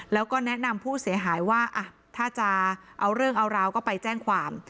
แล้วก็แนะนำผู้เสียหายว่าถ้าจะเอาเรื่องเอาราวก็ไปแจ้งความ